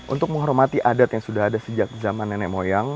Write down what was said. untuk menghormati adat yang sudah ada sejak zaman nenek moyang